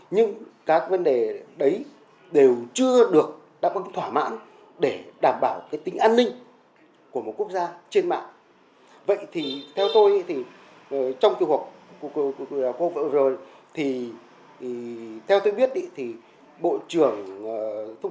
nhưng các vấn đề đấy đều chưa được đáp ứng thỏa mãn để đảm bảo cái tính an ninh của một quốc gia trên mạng